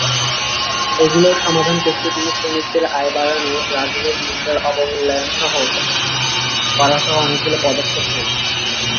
এগুলির সমাধান করতে তিনি শ্রমিকদের আয় বাড়ানো, ব্রাজিলের মুদ্রার অবমূল্যায়ন করাসহ অনেকগুলি পদক্ষেপ নেন।